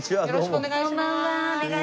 よろしくお願いします。